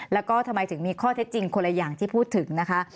แล้วก็ทำไมถึงมีข้อเท็จจริงคนละอย่างที่พูดถึงนะคะ